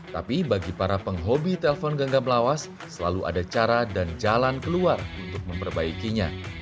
tapi bagi para penghobi telpon genggam lawas selalu ada cara dan jalan keluar untuk memperbaikinya